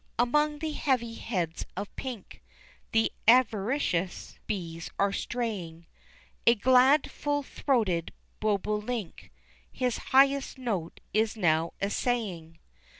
Among the heavy heads of pink, The avaricious bees are straying, A glad full throated bobolink, His highest note is now essaying.